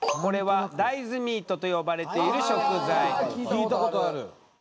聞いたことある。